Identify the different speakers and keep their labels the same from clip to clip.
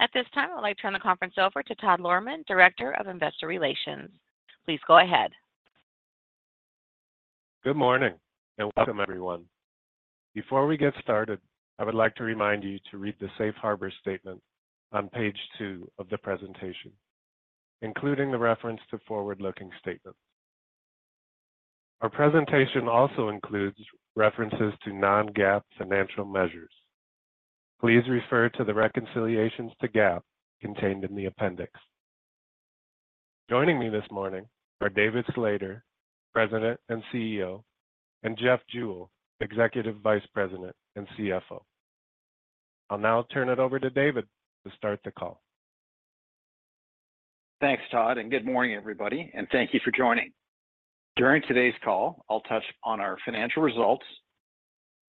Speaker 1: At this time, I would like to turn the conference over to Todd Lohrmann, Director of Investor Relations. Please go ahead.
Speaker 2: Good morning, and welcome, everyone. Before we get started, I would like to remind you to read the safe harbor statement on page 2 of the presentation, including the reference to forward-looking statements. Our presentation also includes references to non-GAAP financial measures. Please refer to the reconciliations to GAAP contained in the appendix. Joining me this morning are David Slater, President and CEO, and Jeff Jewell, Executive Vice President and CFO. I'll now turn it over to David to start the call.
Speaker 3: Thanks, Todd, and good morning, everybody, and thank you for joining. During today's call, I'll touch on our financial results,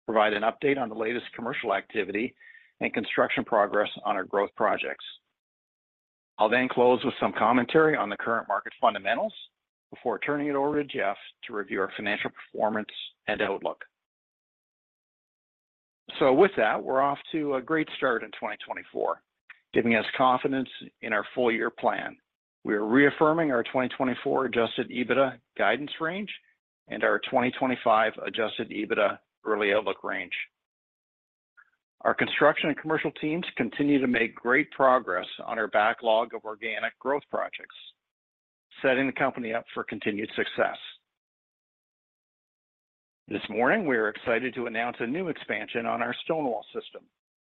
Speaker 3: provide an update on the latest commercial activity and construction progress on our growth projects. I'll then close with some commentary on the current market fundamentals before turning it over to Jeff to review our financial performance and outlook. So with that, we're off to a great start in 2024, giving us confidence in our full-year plan. We are reaffirming our 2024 adjusted EBITDA guidance range and our 2025 adjusted EBITDA early outlook range. Our construction and commercial teams continue to make great progress on our backlog of organic growth projects, setting the company up for continued success. This morning, we are excited to announce a new expansion on our Stonewall system,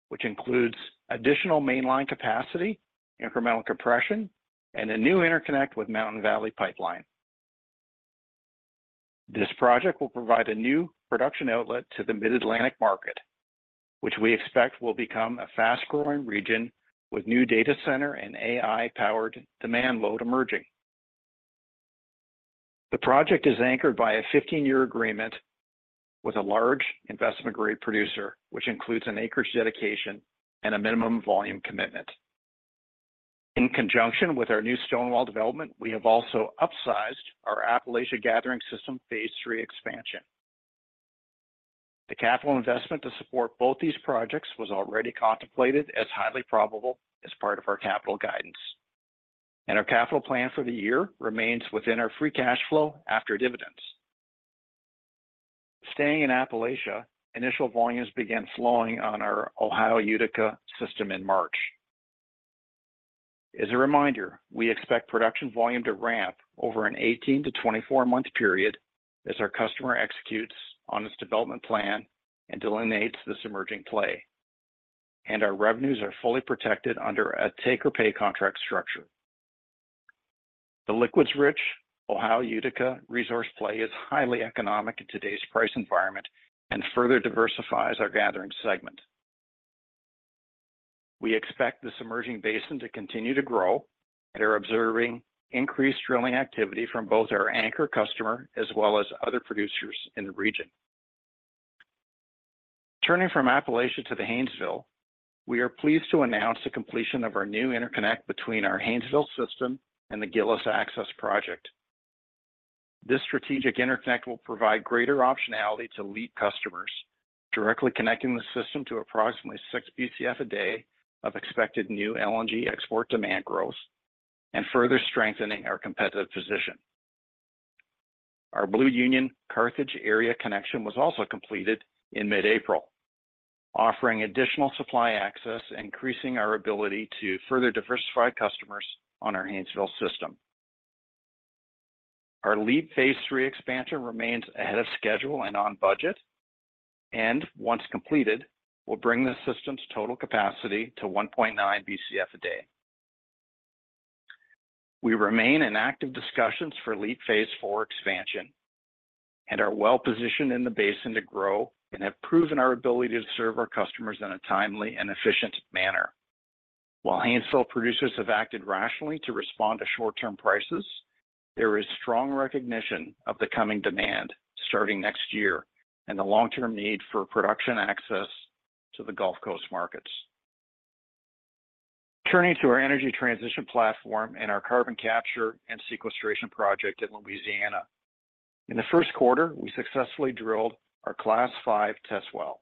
Speaker 3: which includes additional mainline capacity, incremental compression, and a new interconnect with Mountain Valley Pipeline. This project will provide a new production outlet to the Mid-Atlantic market, which we expect will become a fast-growing region with new data center and AI-powered demand load emerging. The project is anchored by a 15-year agreement with a large investment-grade producer, which includes an acreage dedication and a minimum volume commitment. In conjunction with our new Stonewall development, we have also upsized our Appalachia Gathering System Phase Three expansion. The capital investment to support both these projects was already contemplated as highly probable as part of our capital guidance, and our capital plan for the year remains within our free cash flow after dividends. Staying in Appalachia, initial volumes began flowing on our Ohio Utica system in March. As a reminder, we expect production volume to ramp over an 18- to 24-month period as our customer executes on its development plan and delineates this emerging play, and our revenues are fully protected under a take-or-pay contract structure. The liquids-rich Ohio Utica resource play is highly economic in today's price environment and further diversifies our gathering segment. We expect this emerging basin to continue to grow and are observing increased drilling activity from both our anchor customer as well as other producers in the region. Turning from Appalachia to the Haynesville, we are pleased to announce the completion of our new interconnect between our Haynesville system and the Gillis Access Project. This strategic interconnect will provide greater optionality to lead customers, directly connecting the system to approximately 6 Bcf a day of expected new LNG export demand growth and further strengthening our competitive position. Our Blue Union Carthage area connection was also completed in mid-April, offering additional supply access, increasing our ability to further diversify customers on our Haynesville system. Our LEAP Phase Three expansion remains ahead of schedule and on budget, and once completed, will bring the system's total capacity to 1.9 Bcf/d. We remain in active discussions for LEAP Phase Four expansion and are well positioned in the basin to grow and have proven our ability to serve our customers in a timely and efficient manner. While Haynesville producers have acted rationally to respond to short-term prices, there is strong recognition of the coming demand starting next year and the long-term need for production access to the Gulf Coast markets. Turning to our energy transition platform and our carbon capture and sequestration project in Louisiana. In the first quarter, we successfully drilled our Class V test well.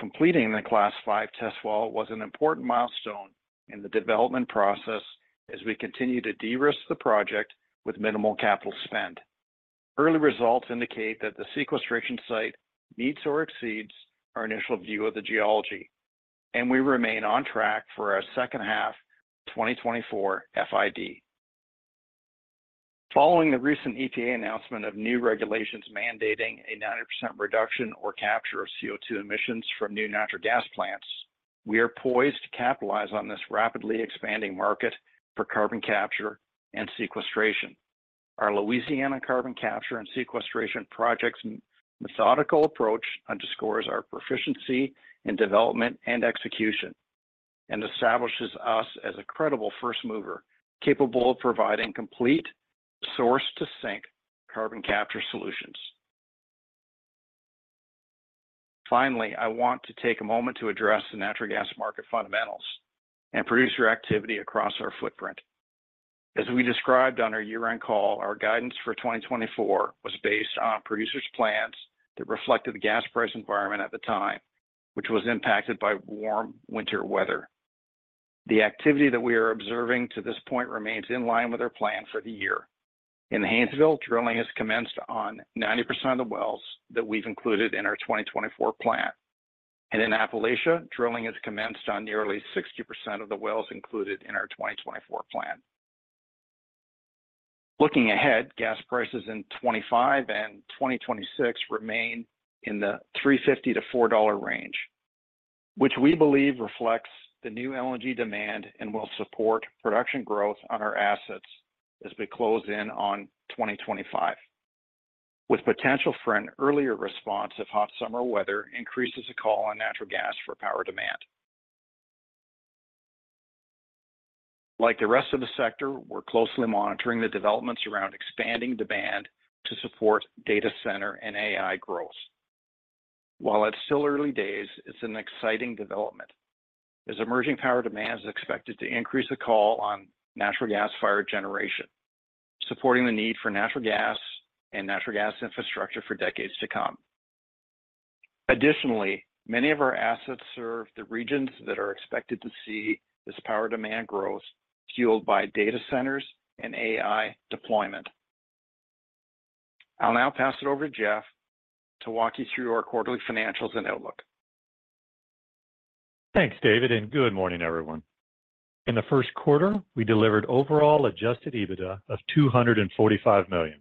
Speaker 3: Completing the Class V test well was an important milestone in the development process as we continue to de-risk the project with minimal capital spend. Early results indicate that the sequestration site meets or exceeds our initial view of the geology, and we remain on track for our second half of 2024 FID. Following the recent EPA announcement of new regulations mandating a 90% reduction or capture of CO2 emissions from new natural gas plants, we are poised to capitalize on this rapidly expanding market for carbon capture and sequestration. Our Louisiana carbon capture and sequestration project's methodical approach underscores our proficiency in development and execution and establishes us as a credible first mover, capable of providing complete source-to-sink carbon capture solutions. Finally, I want to take a moment to address the natural gas market fundamentals and producer activity across our footprint.... As we described on our year-end call, our guidance for 2024 was based on producers' plans that reflected the gas price environment at the time, which was impacted by warm winter weather. The activity that we are observing to this point remains in line with our plan for the year. In the Haynesville, drilling has commenced on 90% of the wells that we've included in our 2024 plan. And in Appalachia, drilling has commenced on nearly 60% of the wells included in our 2024 plan. Looking ahead, gas prices in 2025 and 2026 remain in the $3.50-$4 range, which we believe reflects the new LNG demand and will support production growth on our assets as we close in on 2025, with potential for an earlier response if hot summer weather increases the call on natural gas for power demand. Like the rest of the sector, we're closely monitoring the developments around expanding demand to support data center and AI growth. While it's still early days, it's an exciting development, as emerging power demand is expected to increase the call on natural gas-fired generation, supporting the need for natural gas and natural gas infrastructure for decades to come. Additionally, many of our assets serve the regions that are expected to see this power demand growth, fueled by data centers and AI deployment. I'll now pass it over to Jeff to walk you through our quarterly financials and outlook.
Speaker 4: Thanks, David, and good morning, everyone. In the first quarter, we delivered overall Adjusted EBITDA of $245 million,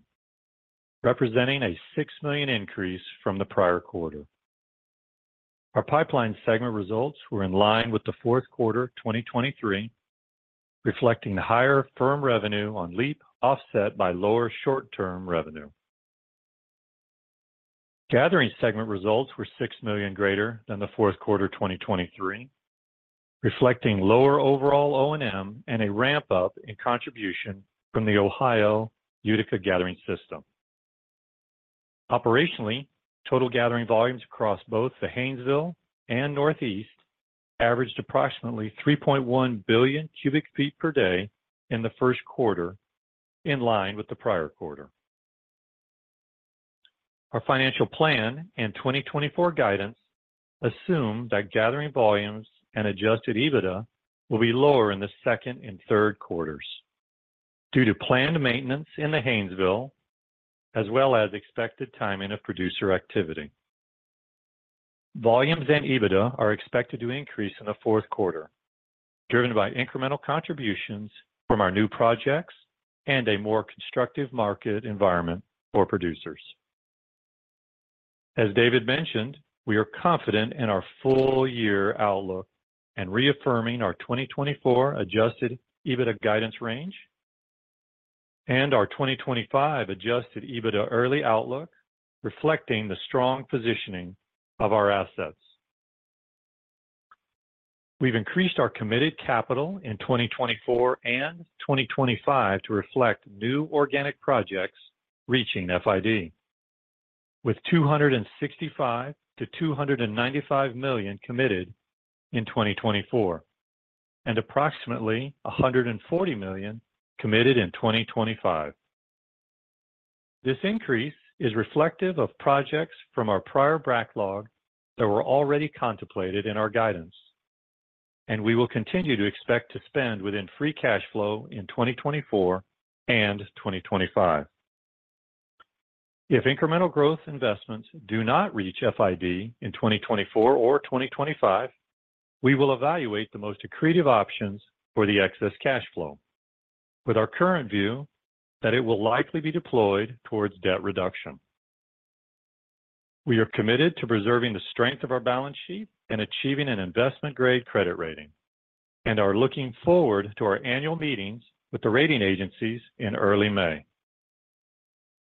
Speaker 4: representing a $6 million increase from the prior quarter. Our pipeline segment results were in line with the fourth quarter 2023, reflecting the higher firm revenue on LEAP, offset by lower short-term revenue. Gathering segment results were $6 million greater than the fourth quarter 2023, reflecting lower overall O&M and a ramp-up in contribution from the Ohio Utica Gathering System. Operationally, total gathering volumes across both the Haynesville and Northeast averaged approximately 3.1 Bcf/d in the first quarter, in line with the prior quarter. Our financial plan and 2024 guidance assume that gathering volumes and adjusted EBITDA will be lower in the second and third quarters due to planned maintenance in the Haynesville, as well as expected timing of producer activity. Volumes and EBITDA are expected to increase in the fourth quarter, driven by incremental contributions from our new projects and a more constructive market environment for producers. As David mentioned, we are confident in our full-year outlook and reaffirming our 2024 adjusted EBITDA guidance range and our 2025 adjusted EBITDA early outlook, reflecting the strong positioning of our assets. We've increased our committed capital in 2024 and 2025 to reflect new organic projects reaching FID, with $265 million-$295 million committed in 2024 and approximately $140 million committed in 2025. This increase is reflective of projects from our prior backlog that were already contemplated in our guidance, and we will continue to expect to spend within free cash flow in 2024 and 2025. If incremental growth investments do not reach FID in 2024 or 2025, we will evaluate the most accretive options for the excess cash flow, with our current view that it will likely be deployed towards debt reduction. We are committed to preserving the strength of our balance sheet and achieving an investment-grade credit rating and are looking forward to our annual meetings with the rating agencies in early May.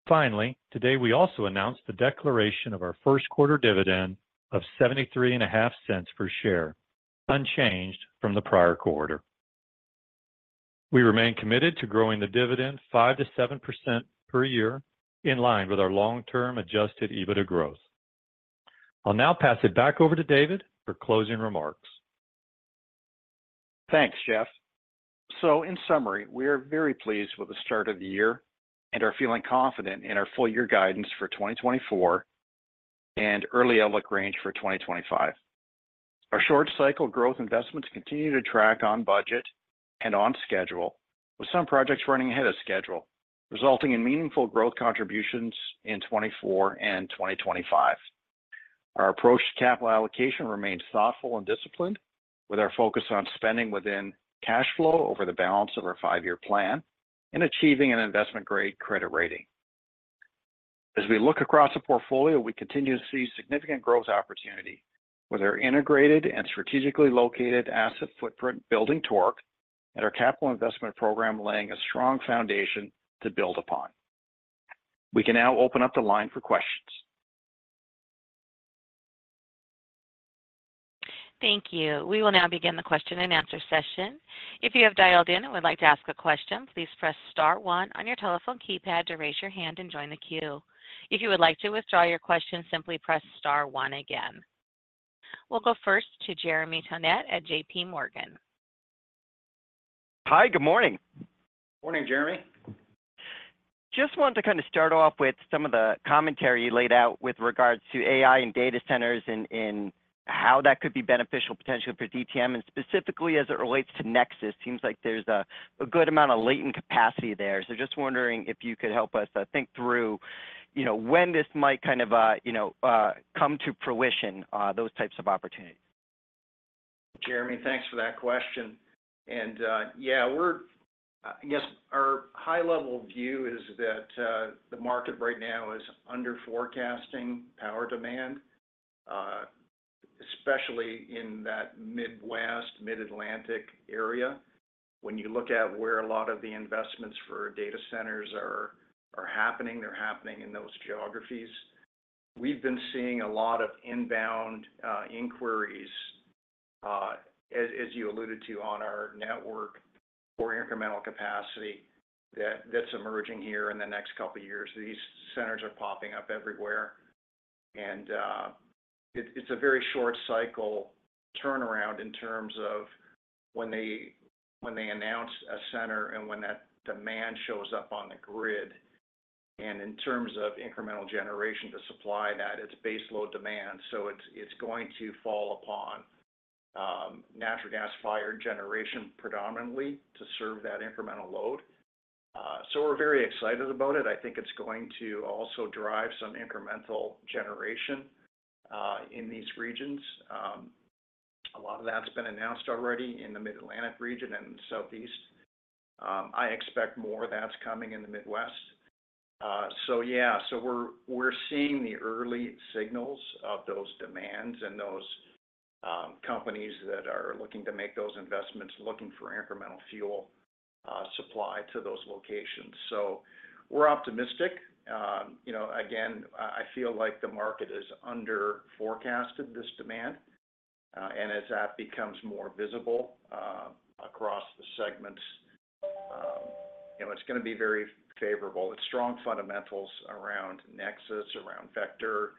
Speaker 4: Finally, today, we also announced the declaration of our first quarter dividend of $0.735 per share, unchanged from the prior quarter. We remain committed to growing the dividend 5%-7% per year, in line with our long-term Adjusted EBITDA growth. I'll now pass it back over to David for closing remarks.
Speaker 3: Thanks, Jeff. In summary, we are very pleased with the start of the year and are feeling confident in our full-year guidance for 2024 and early outlook range for 2025. Our short-cycle growth investments continue to track on budget and on schedule, with some projects running ahead of schedule, resulting in meaningful growth contributions in 2024 and 2025. Our approach to capital allocation remains thoughtful and disciplined, with our focus on spending within cash flow over the balance of our five-year plan and achieving an investment-grade credit rating. As we look across the portfolio, we continue to see significant growth opportunity with our integrated and strategically located asset footprint building torque and our capital investment program laying a strong foundation to build upon. We can now open up the line for questions.
Speaker 1: Thank you. We will now begin the question and answer session. If you have dialed in and would like to ask a question, please press star one on your telephone keypad to raise your hand and join the queue. If you would like to withdraw your question, simply press star one again.... We'll go first to Jeremy Tonet at JP Morgan.
Speaker 5: Hi, good morning.
Speaker 3: Morning, Jeremy.
Speaker 5: Just wanted to kind of start off with some of the commentary you laid out with regards to AI and data centers and how that could be beneficial potentially for DTM, and specifically as it relates to NEXUS. Seems like there's a good amount of latent capacity there. So just wondering if you could help us think through, you know, when this might kind of come to fruition, those types of opportunities.
Speaker 3: Jeremy, thanks for that question. Yeah, I guess our high-level view is that the market right now is under forecasting power demand, especially in that Midwest, Mid-Atlantic area. When you look at where a lot of the investments for data centers are happening, they're happening in those geographies. We've been seeing a lot of inbound inquiries, as you alluded to, on our network for incremental capacity that's emerging here in the next couple of years. These centers are popping up everywhere. It's a very short cycle turnaround in terms of when they announce a center and when that demand shows up on the grid. In terms of incremental generation to supply that, it's base load demand, so it's going to fall upon natural gas-fired generation predominantly to serve that incremental load. So we're very excited about it. I think it's going to also drive some incremental generation in these regions. A lot of that's been announced already in the Mid-Atlantic region and the Southeast. I expect more of that's coming in the Midwest. So yeah. So we're seeing the early signals of those demands and those companies that are looking to make those investments, looking for incremental fuel supply to those locations. So we're optimistic. You know, again, I feel like the market has under forecasted this demand and as that becomes more visible across the segments, you know, it's gonna be very favorable. It's strong fundamentals around Nexus, around Vector.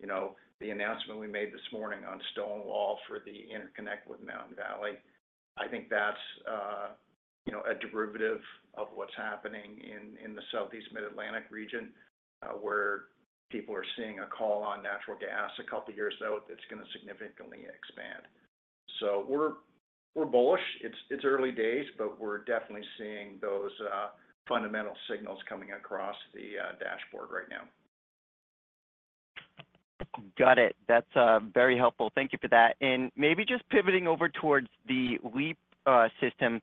Speaker 3: You know, the announcement we made this morning on Stonewall for the interconnect with Mountain Valley, I think that's, you know, a derivative of what's happening in the Southeast Mid-Atlantic region, where people are seeing a call on natural gas a couple of years out, that's gonna significantly expand. So we're bullish. It's early days, but we're definitely seeing those fundamental signals coming across the dashboard right now.
Speaker 5: Got it. That's very helpful. Thank you for that. And maybe just pivoting over towards the LEAP system,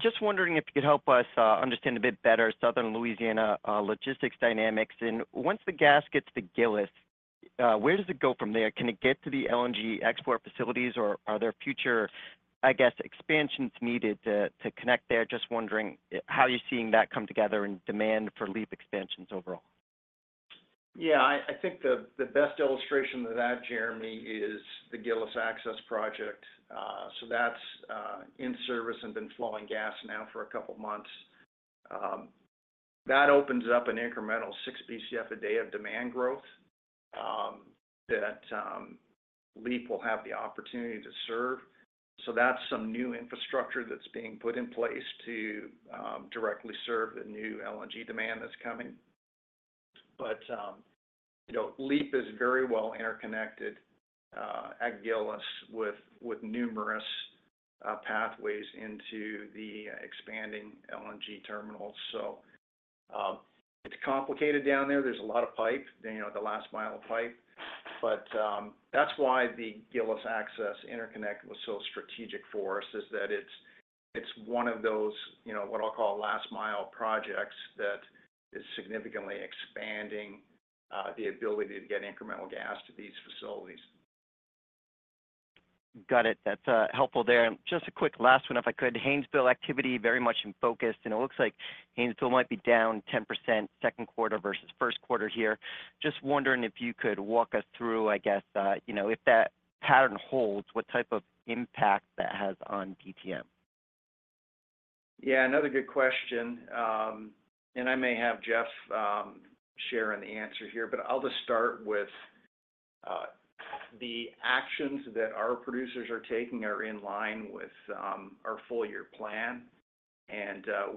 Speaker 5: just wondering if you could help us understand a bit better Southern Louisiana logistics dynamics. And once the gas gets to Gillis, where does it go from there? Can it get to the LNG export facilities, or are there future, I guess, expansions needed to connect there? Just wondering, how you're seeing that come together and demand for LEAP expansions overall.
Speaker 3: Yeah, I think the best illustration of that, Jeremy, is the Gillis Access Project. So that's in service and been flowing gas now for a couple of months. That opens up an incremental 6 Bcf a day of demand growth that LEAP will have the opportunity to serve. So that's some new infrastructure that's being put in place to directly serve the new LNG demand that's coming. But you know, LEAP is very well interconnected at Gillis with numerous pathways into the expanding LNG terminal. So it's complicated down there. There's a lot of pipe, you know, the last mile of pipe. That's why the Gillis Access interconnect was so strategic for us, is that it's, it's one of those, you know, what I'll call last mile projects that is significantly expanding the ability to get incremental gas to these facilities.
Speaker 5: Got it. That's helpful there. And just a quick last one, if I could. Haynesville activity very much in focus, and it looks like Haynesville might be down 10%, second quarter versus first quarter here. Just wondering if you could walk us through, I guess, you know, if that pattern holds, what type of impact that has on DTM?
Speaker 3: Yeah, another good question. And I may have Jeff share in the answer here, but I'll just start with the actions that our producers are taking are in line with our full year plan.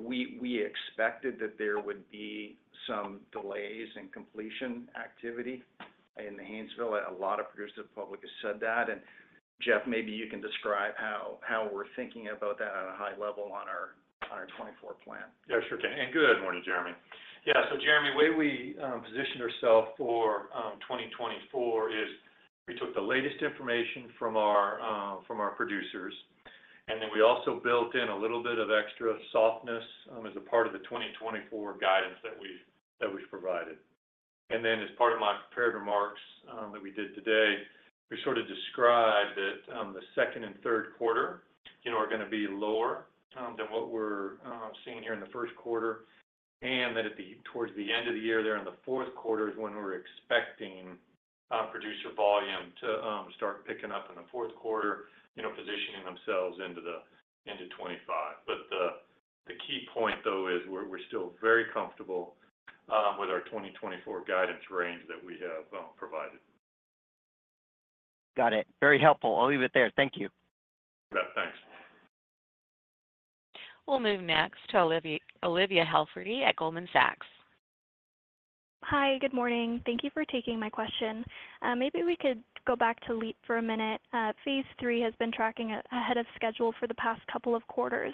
Speaker 3: We expected that there would be some delays in completion activity in the Haynesville. A lot of public producers have said that, and Jeff, maybe you can describe how we're thinking about that at a high level on our 2024 plan.
Speaker 4: Yeah, sure can. And good morning, Jeremy. Yeah, so Jeremy, the way we positioned ourselves for 2024 is we took the latest information from our producers, and then we also built in a little bit of extra softness as a part of the 2024 guidance that we've provided. And then, as part of my prepared remarks that we did today, we sort of described that the second and third quarter, you know, are gonna be lower than what we're seeing here in the first quarter, and that towards the end of the year, there in the fourth quarter, is when we're expecting producer volume to start picking up in the fourth quarter, you know, positioning themselves into 2025. But the key point, though, is we're still very comfortable-... with our 2024 guidance range that we have provided.
Speaker 5: Got it. Very helpful. I'll leave it there. Thank you.
Speaker 4: Yeah, thanks.
Speaker 1: We'll move next to Olivia, Olivia Halferty at Goldman Sachs.
Speaker 6: Hi, good morning. Thank you for taking my question. Maybe we could go back to LEAP for a minute. Phase Three has been tracking ahead of schedule for the past couple of quarters.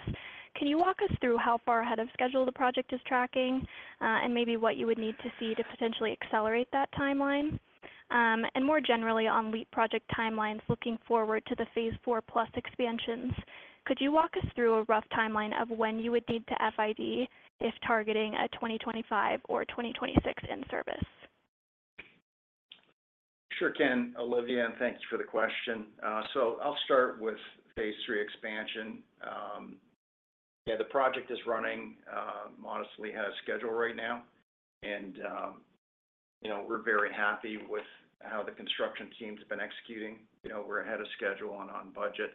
Speaker 6: Can you walk us through how far ahead of schedule the project is tracking, and maybe what you would need to see to potentially accelerate that timeline? And more generally, on LEAP project timelines, looking forward to the Phase Four plus expansions, could you walk us through a rough timeline of when you would need to FID if targeting a 2025 or 2026 in service?
Speaker 3: Sure can, Olivia, and thanks for the question. So I'll start with phase three expansion. Yeah, the project is running modestly ahead of schedule right now, and you know, we're very happy with how the construction team's been executing. You know, we're ahead of schedule and on budget.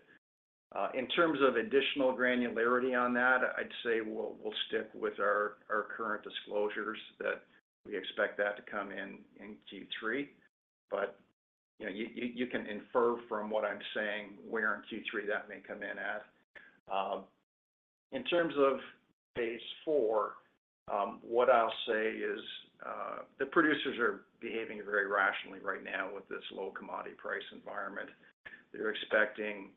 Speaker 3: In terms of additional granularity on that, I'd say we'll stick with our current disclosures that we expect that to come in in Q3. But you know, you can infer from what I'm saying, where in Q3 that may come in at. In terms of phase four, what I'll say is the producers are behaving very rationally right now with this low commodity price environment. They're expecting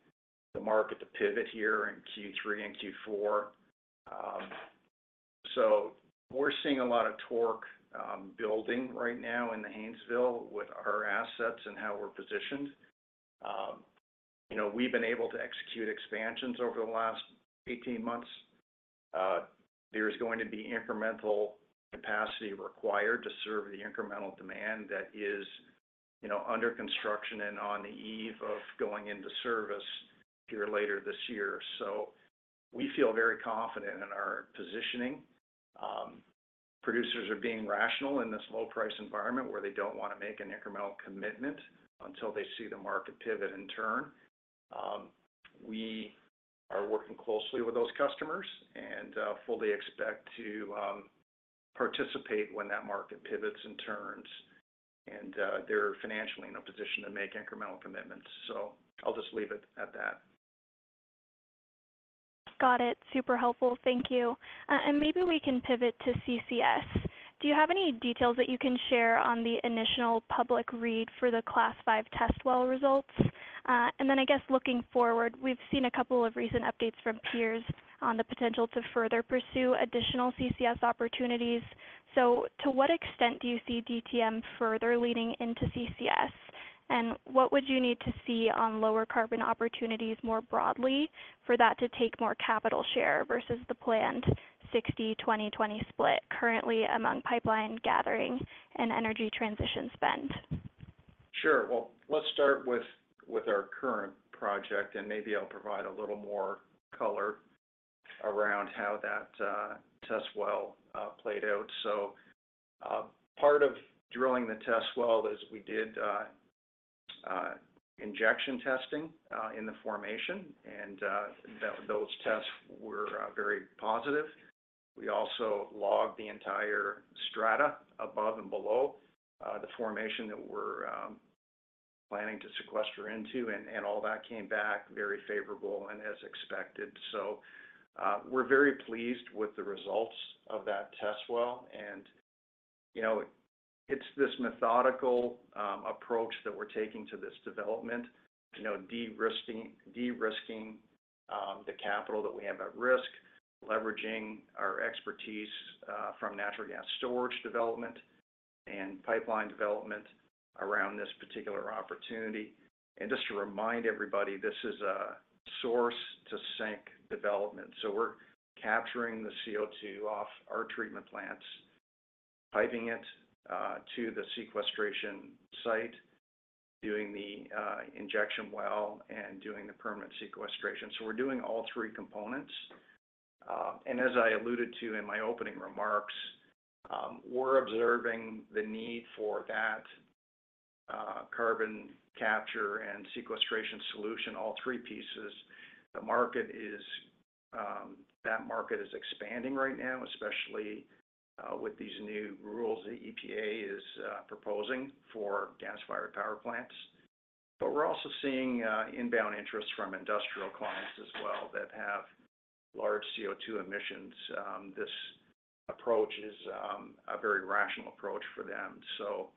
Speaker 3: the market to pivot here in Q3 and Q4. So we're seeing a lot of torque building right now in the Haynesville with our assets and how we're positioned. You know, we've been able to execute expansions over the last 18 months. There's going to be incremental capacity required to serve the incremental demand that is, you know, under construction and on the eve of going into service here later this year. So we feel very confident in our positioning. Producers are being rational in this low-price environment, where they don't want to make an incremental commitment until they see the market pivot and turn. We are working closely with those customers and fully expect to participate when that market pivots and turns, and they're financially in a position to make incremental commitments. So I'll just leave it at that.
Speaker 6: Got it. Super helpful. Thank you. And maybe we can pivot to CCS. Do you have any details that you can share on the initial public read for the Class V test well results? And then I guess looking forward, we've seen a couple of recent updates from peers on the potential to further pursue additional CCS opportunities. So to what extent do you see DTM further leading into CCS? And what would you need to see on lower carbon opportunities more broadly for that to take more capital share versus the planned 60/20/20 split currently among pipeline gathering and energy transition spend?
Speaker 3: Sure. Well, let's start with our current project, and maybe I'll provide a little more color around how that test well played out. So, part of drilling the test well is we did injection testing in the formation, and those tests were very positive. We also logged the entire strata above and below the formation that we're planning to sequester into, and all that came back very favorable and as expected. So, we're very pleased with the results of that test well, and you know, it's this methodical approach that we're taking to this development, you know, de-risking, de-risking the capital that we have at risk, leveraging our expertise from natural gas storage development and pipeline development around this particular opportunity. And just to remind everybody, this is a source to sink development, so we're capturing the CO₂ off our treatment plants, piping it to the sequestration site, doing the injection well, and doing the permanent sequestration. So we're doing all three components. And as I alluded to in my opening remarks, we're observing the need for that carbon capture and sequestration solution, all three pieces. The market is, that market is expanding right now, especially with these new rules the EPA is proposing for gas-fired power plants. But we're also seeing inbound interest from industrial clients as well, that have large CO₂ emissions. This approach is a very rational approach for them. So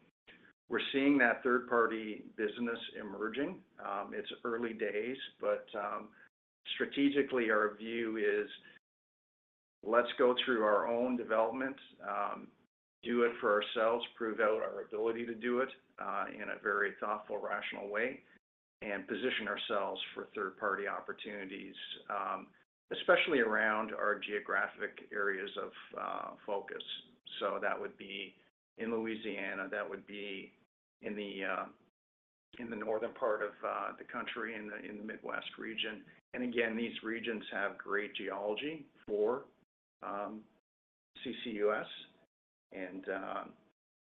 Speaker 3: we're seeing that third-party business emerging. It's early days, but strategically, our view is, let's go through our own development, do it for ourselves, prove out our ability to do it in a very thoughtful, rational way, and position ourselves for third-party opportunities, especially around our geographic areas of focus. So that would be in Louisiana, that would be in the northern part of the country, in the Midwest region. And again, these regions have great geology for CCUS, and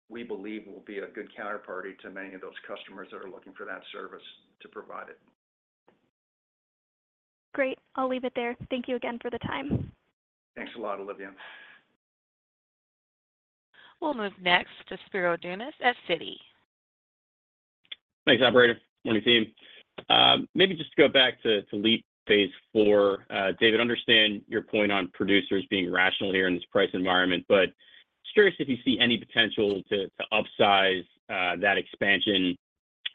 Speaker 3: we believe we'll be a good counterparty to many of those customers that are looking for that service to provide it....
Speaker 6: Great, I'll leave it there. Thank you again for the time.
Speaker 3: Thanks a lot, Olivia.
Speaker 1: We'll move next to Spiro Dounis at Citi.
Speaker 7: Thanks, operator. Morning, team. Maybe just to go back to, to LEAP Phase Four. David, understand your point on producers being rational here in this price environment, but curious if you see any potential to, to upsize, that expansion,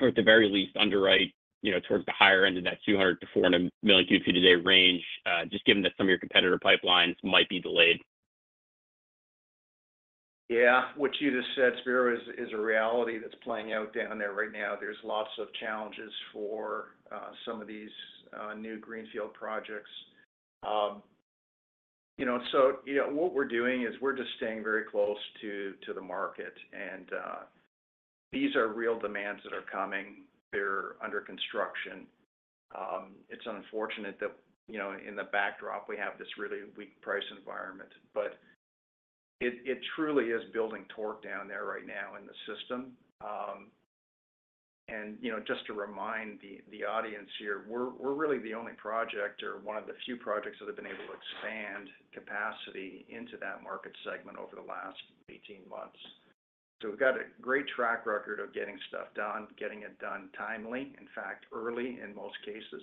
Speaker 7: or at the very least, underwrite, you know, towards the higher end of that 200-400 MMcf/d range, just given that some of your competitor pipelines might be delayed?
Speaker 3: Yeah. What you just said, Spiro, is a reality that's playing out down there right now. There's lots of challenges for some of these new greenfield projects. You know, so, you know, what we're doing is we're just staying very close to the market. And these are real demands that are coming. They're under construction. It's unfortunate that, you know, in the backdrop, we have this really weak price environment, but it truly is building torque down there right now in the system. And, you know, just to remind the audience here, we're really the only project or one of the few projects that have been able to expand capacity into that market segment over the last 18 months. So we've got a great track record of getting stuff done, getting it done timely, in fact, early in most cases.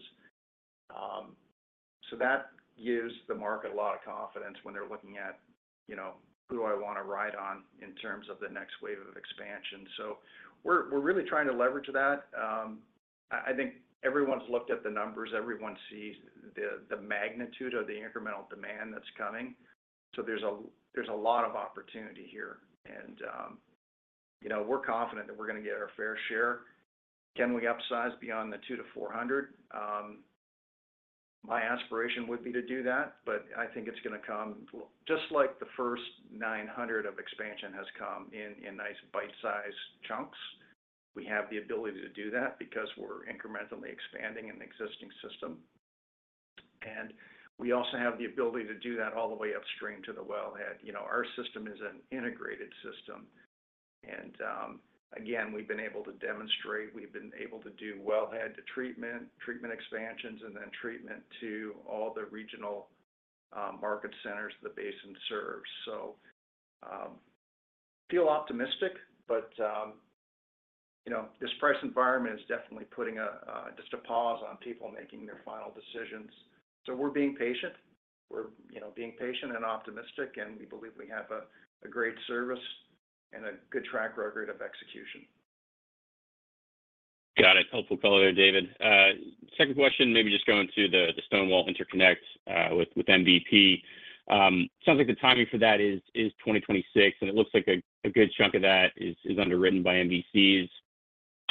Speaker 3: So that gives the market a lot of confidence when they're looking at, you know, "Who do I want to ride on in terms of the next wave of expansion?" So we're really trying to leverage that. I think everyone's looked at the numbers. Everyone sees the magnitude of the incremental demand that's coming, so there's a lot of opportunity here. And, you know, we're confident that we're gonna get our fair share. Can we upsize beyond the 200-400? My aspiration would be to do that, but I think it's gonna come just like the first 900 of expansion has come in nice bite-sized chunks. We have the ability to do that because we're incrementally expanding an existing system, and we also have the ability to do that all the way upstream to the wellhead. You know, our system is an integrated system, and, again, we've been able to demonstrate, we've been able to do wellhead to treatment, treatment expansions, and then treatment to all the regional, market centers the basin serves. So, feel optimistic, but, you know, this price environment is definitely putting a, just a pause on people making their final decisions. So we're being patient. We're, you know, being patient and optimistic, and we believe we have a great service and a good track record of execution.
Speaker 7: Got it. Helpful color there, David. Second question, maybe just going to the Stonewall interconnect with MVP. Sounds like the timing for that is 2026, and it looks like a good chunk of that is underwritten by MVCs.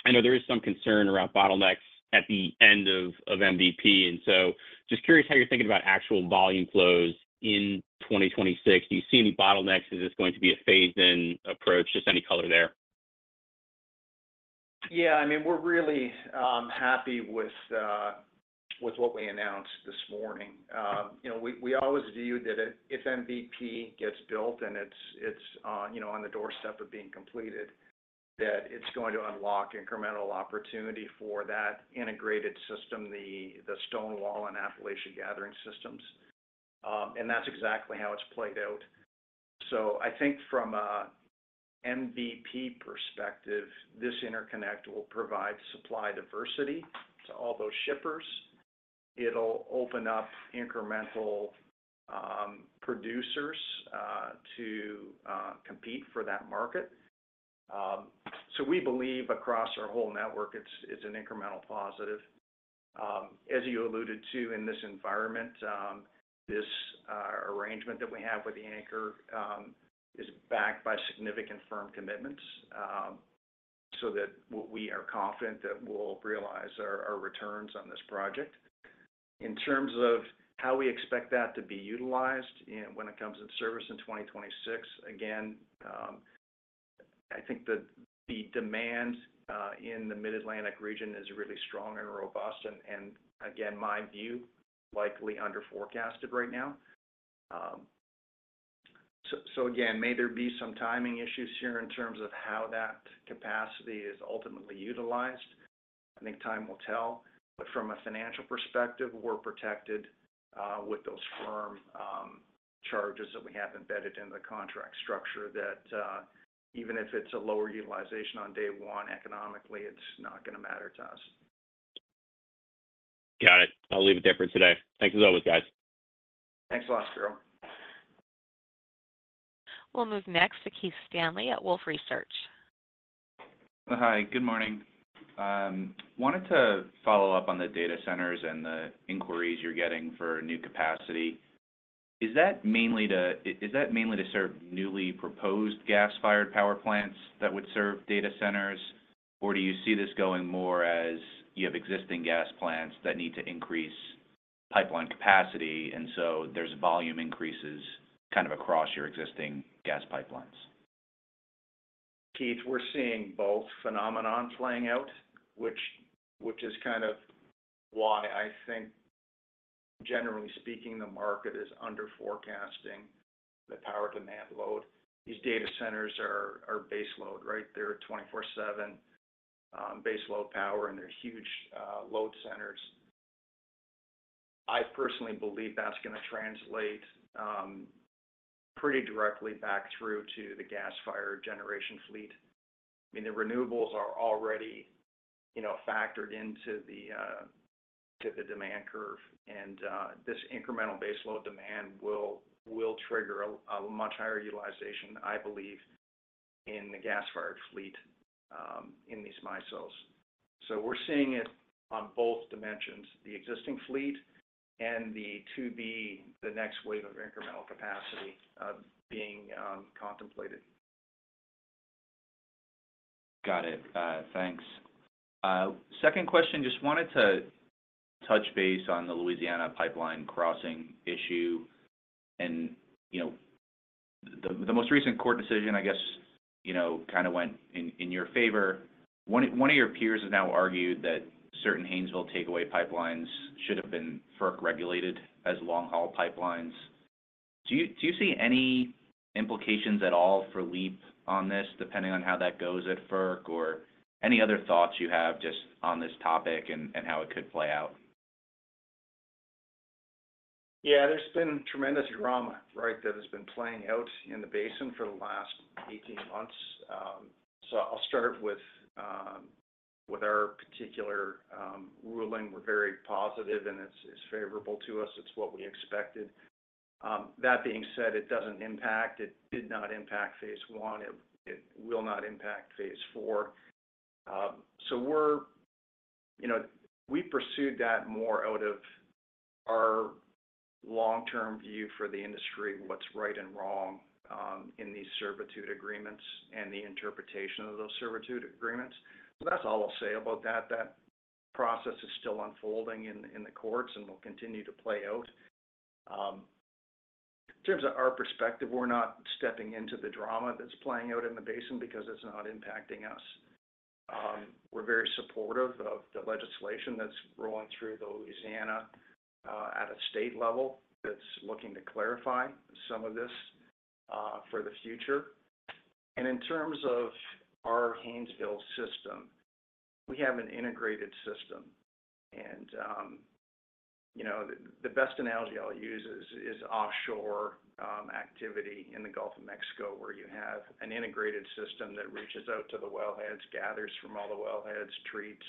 Speaker 7: I know there is some concern around bottlenecks at the end of MVP, and so just curious how you're thinking about actual volume flows in 2026. Do you see any bottlenecks? Is this going to be a phase-in approach? Just any color there.
Speaker 3: Yeah, I mean, we're really happy with what we announced this morning. You know, we always viewed that if MVP gets built and it's on the doorstep of being completed, that it's going to unlock incremental opportunity for that integrated system, the Stonewall and Appalachia gathering systems. And that's exactly how it's played out. So I think from a MVP perspective, this interconnect will provide supply diversity to all those shippers. It'll open up incremental producers to compete for that market. So we believe across our whole network, it's an incremental positive. As you alluded to in this environment, this arrangement that we have with anchor is backed by significant firm commitments, so that we are confident that we'll realize our returns on this project. In terms of how we expect that to be utilized, when it comes in service in 2026, again, I think the, the demand in the Mid-Atlantic region is really strong and robust, and again, my view, likely under forecasted right now. So again, may there be some timing issues here in terms of how that capacity is ultimately utilized? I think time will tell, but from a financial perspective, we're protected with those firm charges that we have embedded in the contract structure that even if it's a lower utilization on day one, economically, it's not gonna matter to us.
Speaker 7: Got it. I'll leave it there for today. Thanks as always, guys.
Speaker 3: Thanks a lot, Spiro.
Speaker 1: We'll move next to Keith Stanley at Wolfe Research.
Speaker 8: Hi, good morning. Wanted to follow up on the data centers and the inquiries you're getting for new capacity. Is that mainly to serve newly proposed gas-fired power plants that would serve data centers? Or do you see this going more as you have existing gas plants that need to increase pipeline capacity, and so there's volume increases kind of across your existing gas pipelines?
Speaker 3: Keith, we're seeing both phenomena's playing out, which is kind of why I think, generally speaking, the market is underforecasting the power demand load. These data centers are base load, right? They're 24/7 base load power and their huge load centers. I personally believe that's gonna translate pretty directly back through to the gas-fired generation fleet. I mean, the renewables are already, you know, factored into the to the demand curve, and this incremental base load demand will trigger a much higher utilization, I believe, in the gas-fired fleet in these MISO's. So we're seeing it on both dimensions, the existing fleet and the to-be, the next wave of incremental capacity being contemplated.
Speaker 8: Got it. Thanks. Second question, just wanted to touch base on the Louisiana pipeline crossing issue. And, you know, the most recent court decision, I guess, you know, kind of went in your favor. One of your peers has now argued that certain Haynesville takeaway pipelines should have been FERC-regulated as long-haul pipelines. Do you see any implications at all for LEAP on this, depending on how that goes at FERC? Or any other thoughts you have just on this topic and how it could play out?
Speaker 3: Yeah, there's been tremendous drama, right, that has been playing out in the basin for the last 18 months. So I'll start with our particular ruling. We're very positive, and it's favorable to us. It's what we expected. That being said, it doesn't impact... it did not impact phase one. It will not impact phase four. So we're... You know, we pursued that more out of our long-term view for the industry, what's right and wrong in these servitude agreements and the interpretation of those servitude agreements. So that's all I'll say about that. That process is still unfolding in the courts and will continue to play out. In terms of our perspective, we're not stepping into the drama that's playing out in the basin because it's not impacting us. We're very supportive of the legislation that's rolling through Louisiana at a state level, that's looking to clarify some of this for the future. And in terms of our Haynesville system, we have an integrated system. And, you know, the best analogy I'll use is offshore activity in the Gulf of Mexico, where you have an integrated system that reaches out to the wellheads, gathers from all the wellheads, treats,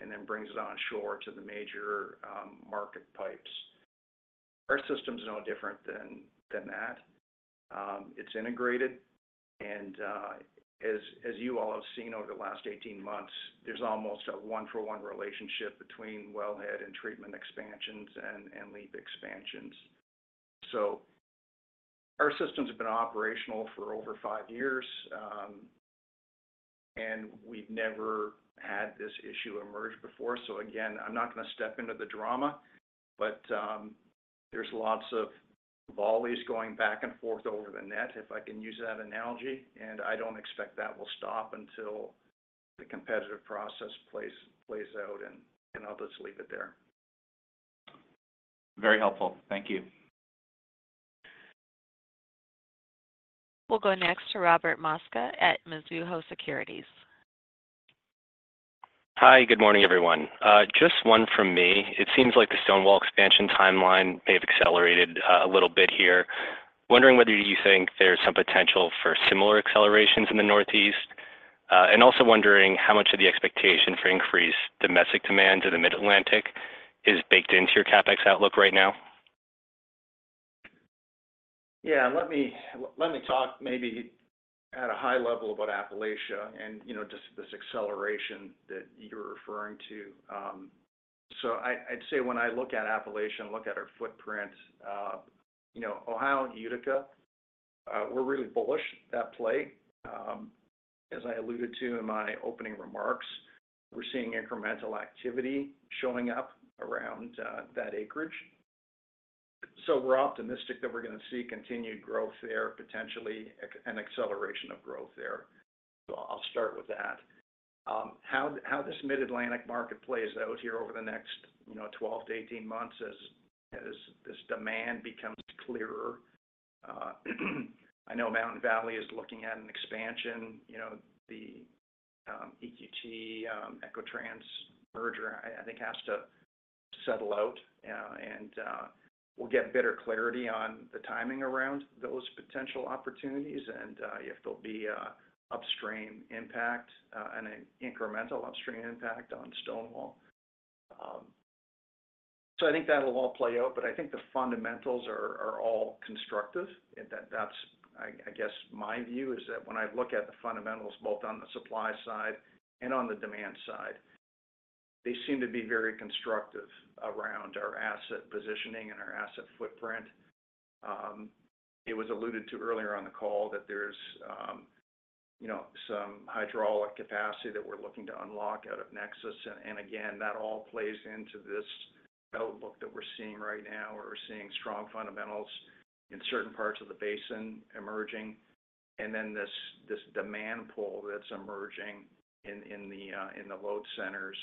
Speaker 3: and then brings it onshore to the major market pipes. Our system's no different than that. It's integrated, and as you all have seen over the last 18 months, there's almost a 1-for-1 relationship between wellhead and treatment expansions and LEAP expansions. So our system's been operational for over 5 years, and we've never had this issue emerge before. So again, I'm not gonna step into the drama, but there's lots of volleys going back and forth over the net, if I can use that analogy, and I don't expect that will stop until the competitive process plays out, and I'll just leave it there.
Speaker 8: Very helpful. Thank you.
Speaker 1: We'll go next to Robert Mosca at Mizuho Securities.
Speaker 9: Hi, good morning, everyone. Just one from me. It seems like the Stonewall expansion timeline may have accelerated a little bit here. Wondering whether you think there's some potential for similar accelerations in the Northeast? And also wondering how much of the expectation for increased domestic demand to the Mid-Atlantic is baked into your CapEx outlook right now?
Speaker 3: Yeah, let me talk maybe at a high level about Appalachia and, you know, just this acceleration that you're referring to. So I'd say when I look at Appalachia and look at our footprint, you know, Ohio and Utica, we're really bullish, that play. As I alluded to in my opening remarks, we're seeing incremental activity showing up around, that acreage. So we're optimistic that we're gonna see continued growth there, potentially an acceleration of growth there. So I'll start with that. How this Mid-Atlantic market plays out here over the next, you know, 12-18 months as this demand becomes clearer, I know Mountain Valley is looking at an expansion. You know, the EQT Equitrans merger, I think, has to settle out, and we'll get better clarity on the timing around those potential opportunities and if there'll be an upstream impact, and an incremental upstream impact on Stonewall. So I think that'll all play out, but I think the fundamentals are all constructive. That's my view is that when I look at the fundamentals, both on the supply side and on the demand side, they seem to be very constructive around our asset positioning and our asset footprint. It was alluded to earlier on the call that there's, you know, some hydraulic capacity that we're looking to unlock out of Nexus. And again, that all plays into this outlook that we're seeing right now, where we're seeing strong fundamentals in certain parts of the basin emerging, and then this demand pull that's emerging in the load centers.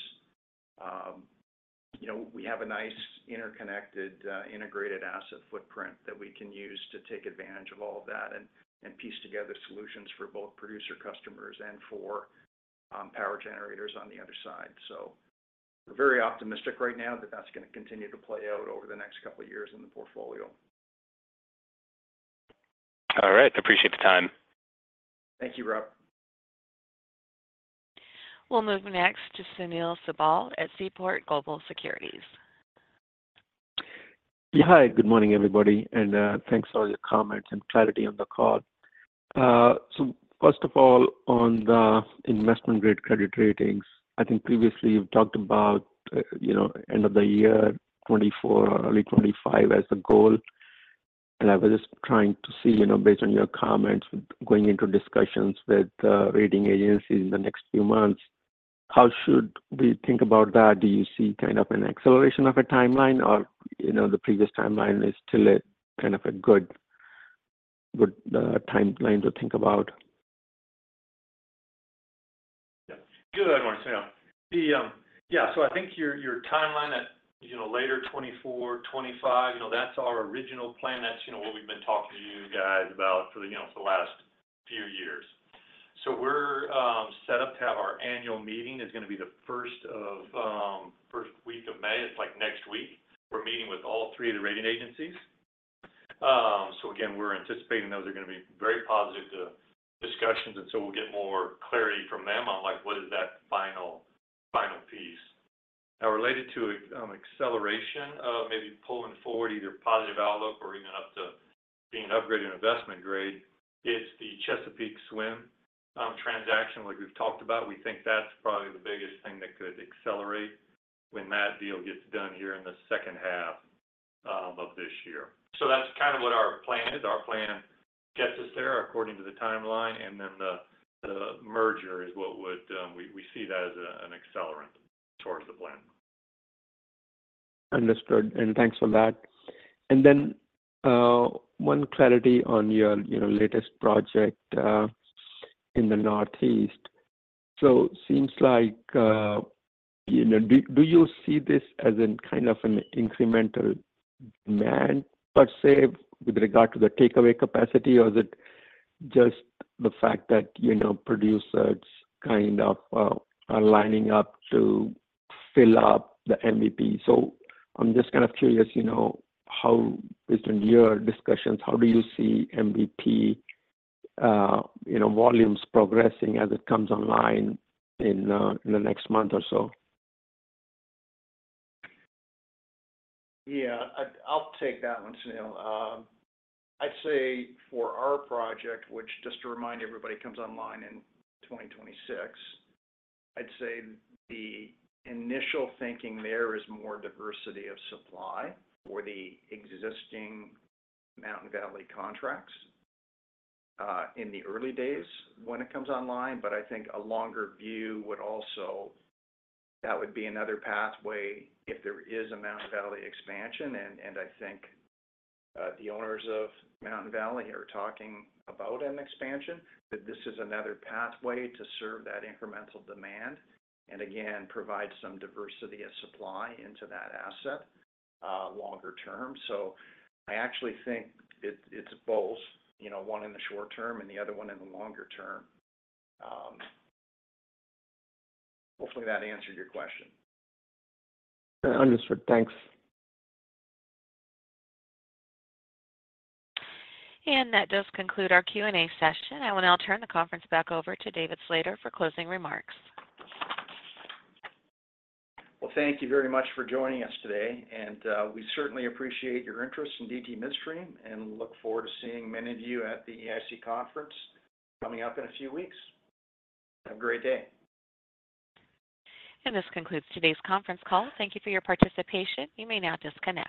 Speaker 3: You know, we have a nice interconnected, integrated asset footprint that we can use to take advantage of all of that and piece together solutions for both producer customers and for power generators on the other side. So we're very optimistic right now that that's gonna continue to play out over the next couple of years in the portfolio.
Speaker 9: All right. Appreciate the time.
Speaker 3: Thank you, Rob.
Speaker 1: We'll move next to Sunil Sibal at Seaport Global Securities.
Speaker 10: Yeah. Hi, good morning, everybody, and thanks for all your comments and clarity on the call. So first of all, on the investment-grade credit ratings, I think previously you've talked about, you know, end of the year 2024 or early 2025 as the goal. And I was just trying to see, you know, based on your comments, going into discussions with rating agencies in the next few months, how should we think about that? Do you see kind of an acceleration of a timeline or, you know, the previous timeline is still a kind of a good, good timeline to think about?
Speaker 3: Yeah. Good morning, Sunil. The... Yeah, so I think your, your timeline at, you know, later 2024, 2025, you know, that's our original plan. That's, you know, what we've been talking to you guys about for the, you know, for the last few years. So we're set up to have our annual meeting. It's gonna be the first of, first week of May. It's, like, next week. We're meeting with all three of the rating agencies. So again, we're anticipating those are gonna be very positive to discussions, and so we'll get more clarity from them on, like, what is that final, final piece. Now, related to acceleration of maybe pulling forward either positive outlook or even up to being upgraded investment-grade, it's the Chesapeake acquisition transaction, like we've talked about. We think that's probably the biggest thing that could accelerate when that deal gets done here in the second half of this year. So that's kind of what our plan is. Our plan gets us there according to the timeline, and then the merger is what would, we see that as a, an accelerant towards the plan.
Speaker 10: Understood, and thanks for that. And then, one clarity on your, you know, latest project in the Northeast. So seems like, you know, do you see this as a kind of an incremental demand, per se, with regard to the takeaway capacity? Or is it just the fact that, you know, producers kind of are lining up to fill up the MVP? So I'm just kind of curious, you know, how, based on your discussions, how do you see MVP volumes progressing as it comes online in the next month or so?
Speaker 4: Yeah, I'll take that one, Sunil. I'd say for our project, which, just to remind everybody, comes online in 2026, I'd say the initial thinking there is more diversity of supply for the existing Mountain Valley contracts in the early days when it comes online. But I think a longer view would also, that would be another pathway if there is a Mountain Valley expansion. And I think the owners of Mountain Valley are talking about an expansion, that this is another pathway to serve that incremental demand, and again, provide some diversity of supply into that asset longer term. So I actually think it's both, you know, one in the short term and the other one in the longer term. Hopefully that answered your question.
Speaker 10: Understood. Thanks.
Speaker 1: That does conclude our Q&A session. I will now turn the conference back over to David Slater for closing remarks.
Speaker 3: Well, thank you very much for joining us today, and we certainly appreciate your interest in DT Midstream, and we look forward to seeing many of you at the EIC conference coming up in a few weeks. Have a great day.
Speaker 1: This concludes today's conference call. Thank you for your participation. You may now disconnect.